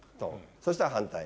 そしたら反対。